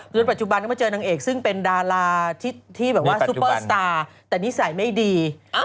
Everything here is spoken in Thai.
ปัจจุบันก็มาเจอนางเอกซึ่งเป็นดาราที่แบบว่าซุปเปอร์สตาร์แต่นิสัยไม่ดี